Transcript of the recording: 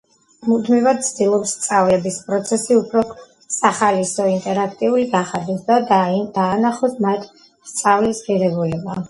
მუდმივად ცდილობს სწავლების პროცესი უფრო სახალისო, ინტერაქტიული გახადოს და დაანახოს მათ სწავლის ღირებულება.